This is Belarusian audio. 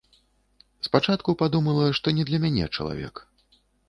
Спачатку падумала, што не для мяне чалавек.